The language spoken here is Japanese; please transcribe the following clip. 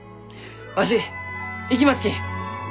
わし行きますき。